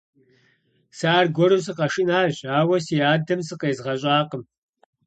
Сэ аргуэру сыкъэшынащ, ауэ си адэм зыкъезгъэщӀакъым.